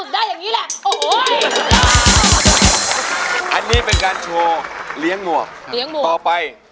คุณไปขอก็ทีเดียวไง